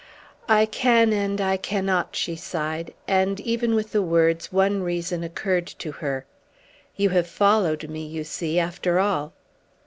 "I can and I cannot," she sighed; and even with the words one reason occurred to her. "You have followed me, you see, after all!"